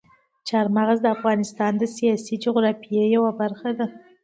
چار مغز د افغانستان د سیاسي جغرافیې یوه برخه ده.